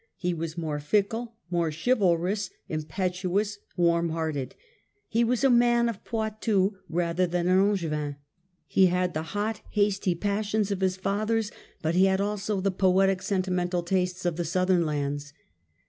He was more fickle, more chivalrous, impetuous, warm hearted. He was a man of Poitou rather Richard !.>■ than an Angevin. He had the hot, hasty character, passions of his fathers, but he had also the poetic senti mental tastes of the southern lands.